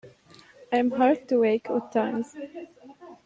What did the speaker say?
I am hard to wake, odd times.